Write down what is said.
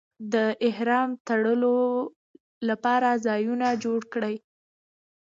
د احرام تړلو لپاره ځایونه جوړ کړي.